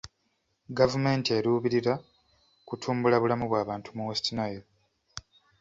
Gavumenti eruubirira kutumbula bulamu bw'abantu mu West Nile.